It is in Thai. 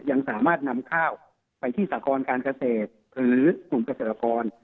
ยังสามารถนำข้าวไปที่สากรการเกษตรหรือกลุ่มเกษตรกร